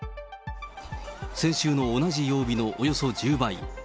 先週の同じ曜日のおよそ１０倍。